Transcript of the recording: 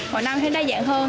mọi năm thấy đa dạng hơn